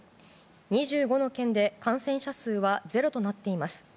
２５の県で感染者数はゼロとなっています。